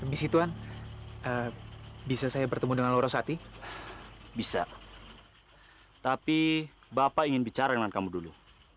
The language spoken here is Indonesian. di situan bisa saya bertemu dengan lorosati bisa tapi bapak ingin bicara dengan kamu dulu